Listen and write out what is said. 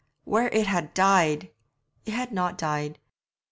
'Where it had died!' it had not died.